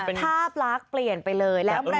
ภาพรักเปลี่ยนไปเลย